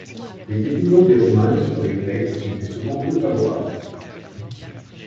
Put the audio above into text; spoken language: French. Les opinions des Romains sur les Grecs étaient souvent peu favorables.